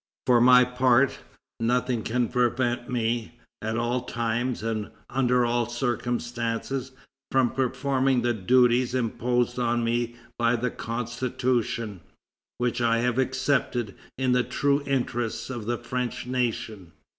For my part, nothing can prevent me, at all times and under all circumstances, from performing the duties imposed on me by the Constitution, which I have accepted in the true interests of the French nation."